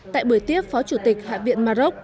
tại buổi tiếp phó chủ tịch hạ viện maroc